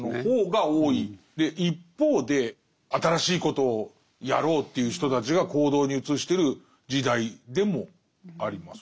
一方で新しいことをやろうという人たちが行動に移してる時代でもあります。